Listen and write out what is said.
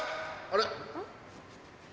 あれ？